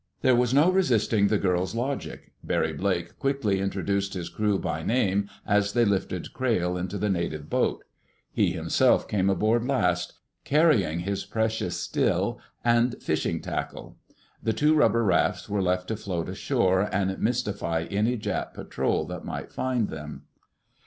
There was no resisting the girl's logic. Barry Blake quickly introduced his crew by name as they lifted Crayle into the native boat. He himself came aboard last, carrying his precious still and fishing tackle. The two rubber rafts were left to float ashore and mystify any Jap patrol that might find them.